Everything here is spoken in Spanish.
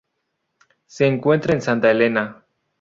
Se encuentra en Santa Elena.